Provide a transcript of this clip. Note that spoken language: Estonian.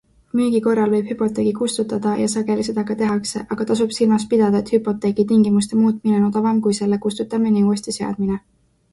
Müügi korral võib hüpoteegi kustutada ja sageli seda ka tehakse, aga tasub silmas pidada, et hüpoteegi tingimuste muutmine on odavam, kui selle kustutamine ja uuesti seadmine.